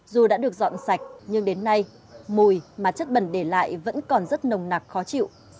dù đã được dọn sạch nhưng đến nay mùi mà chất bẩn để lại vẫn còn rất nồng nạc khó chịu